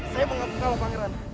saya mengapa kalah pangeran